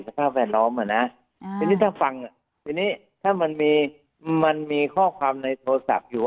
สภาพแวดล้อมอ่ะนะทีนี้ถ้าฟังทีนี้ถ้ามันมีมันมีข้อความในโทรศัพท์อยู่